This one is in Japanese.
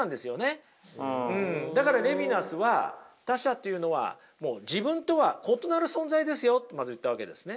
だからレヴィナスは他者っていうのはもう自分とは異なる存在ですよってまず言ったわけですね。